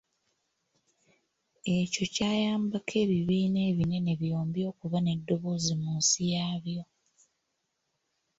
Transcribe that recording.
Ekyo kyayambako ebibiina ebinene byombi okuba n'eddoboozi mu nsi yaabyo.